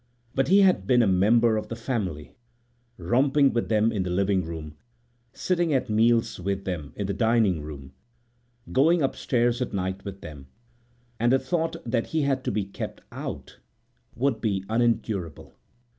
But he had been a member of the family, romping with them in the living room, sitting at meals with them in the dining room, going upstairs at night with them, and the thought that he was to be "kept out" would be unendurable.